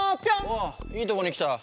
ああいいとこにきた。